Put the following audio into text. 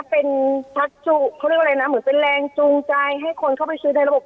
เป็นพักจุเขาเรียกว่าอะไรนะเหมือนเป็นแรงจูงใจให้คนเข้าไปซื้อในระบบ